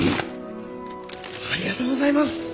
ありがとうございます！